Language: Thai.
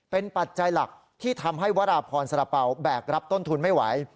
เป็นปัจจัยหลักที่ทำให้วราพรสารเป๋าแบกรับต้นทุนไม่ไหว